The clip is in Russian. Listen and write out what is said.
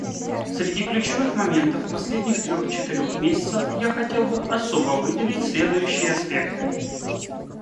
Среди ключевых моментов последних трех-четырех месяцев я хотел бы особо выделить следующие аспекты.